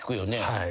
はい。